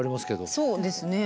そうですね。